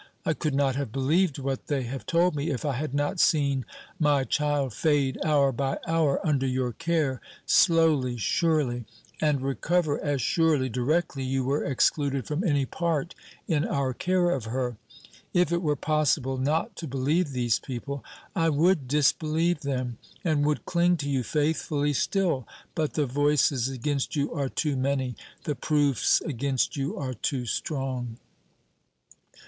I could not have believed what they have told me, if I had not seen my child fade hour by hour under your care, slowly, surely and recover as surely directly you were excluded from any part in our care of her. If it were possible not to believe these people, I would disbelieve them, and would cling to you faithfully still; but the voices against you are too many, the proofs against you are too strong.